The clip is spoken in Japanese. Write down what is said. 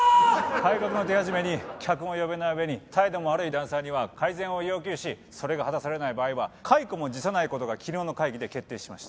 改革の手始めに客も呼べない上に態度も悪いダンサーには改善を要求しそれが果たされない場合は解雇も辞さない事が昨日の会議で決定しました。